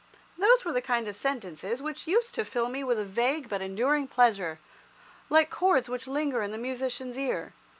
Those were the kind of sentences which used to fill me with a vague but enduring pleasure, like chords which linger in the musician's ear.